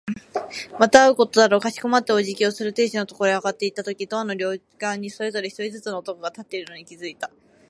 また会うことだろう。かしこまってお辞儀をする亭主のところへ上がっていったとき、ドアの両側にそれぞれ一人ずつの男が立っているのに気づいた。